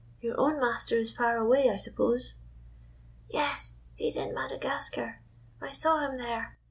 Your own master is far away, I suppose." "Yes, lie's in Madagascar; I saw him there.